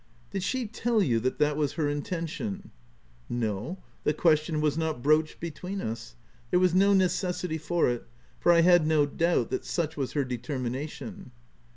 " Did she tell you that that was her inten tion ?"" No ; the question was not broached be tween us : there was no necessity for it, for I had no doubt that such was her determin ation."